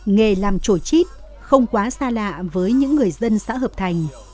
nghề làm trổ chít không quá xa lạ với những người dân xã hợp thành